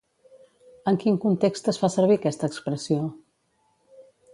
En quin context es fa servir aquesta expressió?